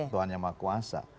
tuhan yang maha kuasa